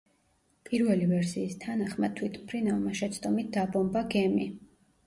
პირველი ვერსიის თანახმად, თვითმფრინავმა შეცდომით დაბომბა გემი.